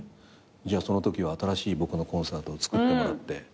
じゃあそのときは新しい僕のコンサートをつくってもらって。